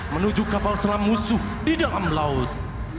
menuju kapal selam musuh di dalam laut